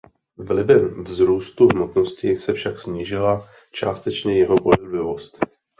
Vlivem vzrůstu hmotnosti se však snížila částečně jeho pohyblivost.